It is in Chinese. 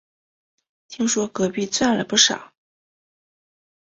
听说隔壁赚了不少